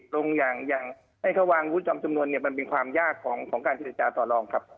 ลงอย่างให้เขาวางวุฒิจำจำนวนเนี่ยมันเป็นความยากของการเจรจาต่อลองครับ